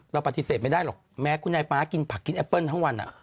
เราปฏิเสธไม่ได้หรอกแม้คุณนายป๊ากินผักกินแอปเปิ้ลทั้งวัน